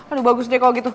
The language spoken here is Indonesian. aduh bagus deh kalo gitu